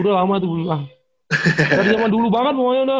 dari zaman dulu banget